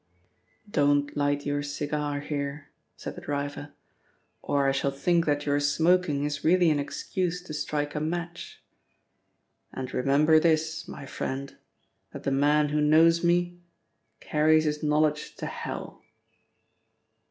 "Don't light your cigar here," said the driver, "or I shall think that your smoking is really an excuse to strike a match. And remember this, my friend, that the man who knows me, carries his knowledge to hell."